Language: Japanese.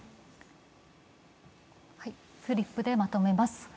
フリップでまとめます。